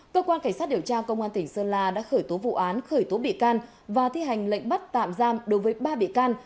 cơ quan cảnh sát điều tra công an tỉnh sơn la đã khởi tố vụ án khởi tố bị can và thi hành lệnh bắt tạm giam đối với ba bị can